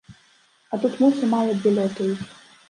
А тут мухі мала дзе лётаюць.